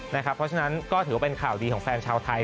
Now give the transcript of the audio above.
เพราะฉะนั้นก็ถือว่าเป็นข่าวดีของแฟนชาวไทย